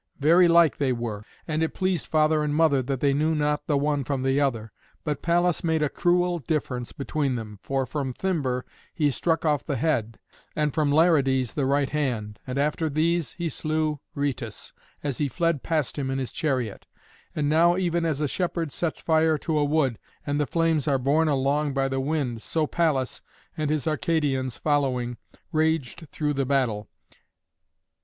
Very like they were, and it pleased father and mother that they knew not the one from the other; but Pallas made a cruel difference between them, for from Thymber he struck off the head, and from Larides the right hand. And after these he slew Rhœtus, as he fled past him in his chariot. And now, even as a shepherd sets fire to a wood, and the flames are borne along by the wind, so Pallas, and his Arcadians following, raged through the battle.